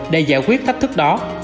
để giải quyết thách thức đó